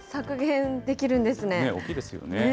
大きいですよね。